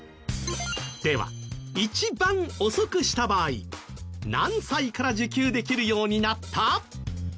では一番遅くした場合何歳から受給できるようになった？